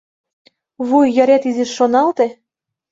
Вуй йырет изиш шоналте!